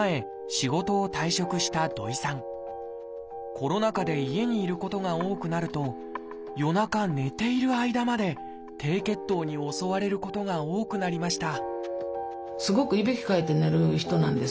コロナ禍で家にいることが多くなると夜中寝ている間まで低血糖に襲われることが多くなりました